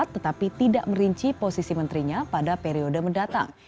tetapi tidak merinci posisi menterinya pada periode mendatang